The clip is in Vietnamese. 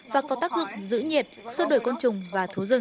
và có tác dụng giữ nhiệt xua đổi côn trùng và thú rừng